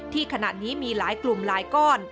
ขณะนี้มีหลายกลุ่มหลายก้อน